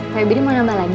pabri mau nambah lagi